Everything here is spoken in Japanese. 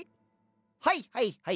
はいはいはい。